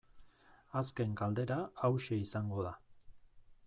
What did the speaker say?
Azken galdera hauxe izango da.